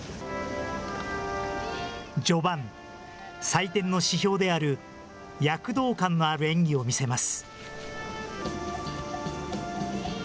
序盤、採点の指標である躍動感のある演技を見せます。